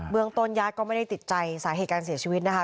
เมืองต้นญาติก็ไม่ได้ติดใจสาเหตุการเสียชีวิตนะคะ